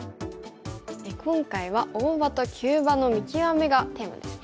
今回は大場と急場の見極めがテーマですね。